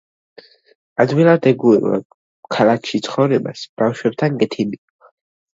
ადვილად ეგუება ქალაქში ცხოვრებას, ბავშვებთან კეთილია.